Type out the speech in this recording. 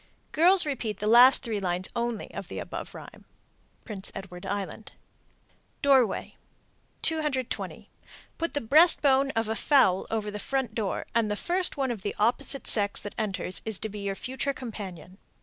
_ Girls repeat the last three lines only of the above rhyme. Prince Edward Island. DOORWAY. 220. Put the breast bone of a fowl over the front door, and the first one of the opposite sex that enters is to be your future companion.